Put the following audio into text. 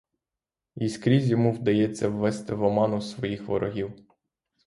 І скрізь йому вдається ввести в оману своїх ворогів.